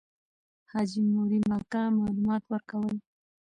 حاجي مریم اکا معلومات ورکول.